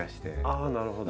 ああなるほど。